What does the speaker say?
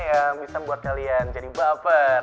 yang bisa membuat kalian jadi baper